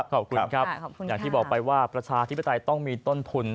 ขอบคุณครับอย่างที่บอกไปว่าประชาธิปไตยต้องมีต้นทุน